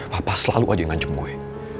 papa selalu aja yang nganjuk gue